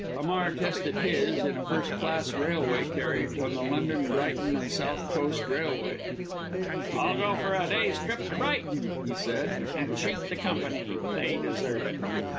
Hamar tested his, in a first class railway carriage, on the London, Brighton & South Coast Railway. "I'll go for a day's trip to Brighton," he said, "and cheat the Company. They deserve it."